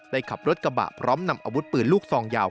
ขับรถกระบะพร้อมนำอาวุธปืนลูกซองยาว